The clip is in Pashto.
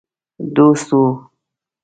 دوست وو.